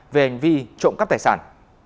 về hành vi trộm cắp tài sản